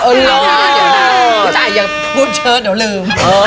เอาล่ะอย่าแต่อย่าพูดเชิดเดี๋ยวลืม